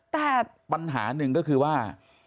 แต่ปัญหาหนึ่งก็คือว่า